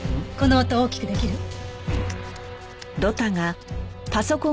この音大きくできる？